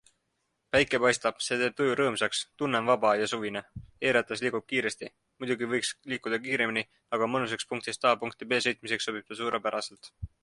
Päike paistab, see teeb tuju rõõmsaks, tunne on vaba ja suvine, eRatas liigub kiiresti - muidugi võiks liikuda kiiremini - aga mõnusaks punktist A punkti B sõitmiseks sobib ta suurepäraselt.